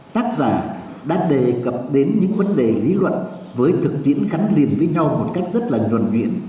tác giả đã đề cập đến những vấn đề lý luận với thực tiễn khắn liền với nhau một cách rất là nhuận nhuyện